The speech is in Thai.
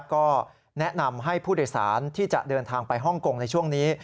ก็แนะนำให้ผู้โดยสารที่จะเดินทางไปฮ่องกงในช่วงนี้